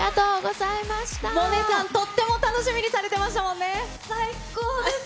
萌音さん、とっても楽しみにされてましたもんね。